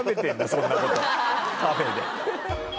そんなことカフェで。